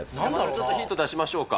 ちょっとヒント出しましょうか。